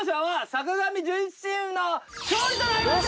坂上・じゅんいちチームの勝利となりました！